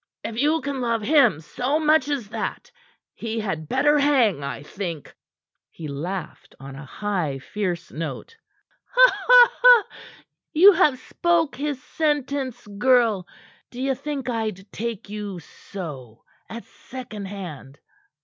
"If you can love him so much as that, he had better hang, I think." He laughed on a high, fierce note. "You have spoke his sentence, girl! D'ye think I'd take you so at second hand?